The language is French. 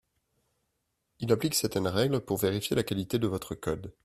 Il applique certaines règles pour vérifier la qualité de votre code